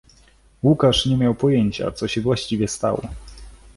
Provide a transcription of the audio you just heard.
Łukasz nie miał pojęcia, co się właściwie stało.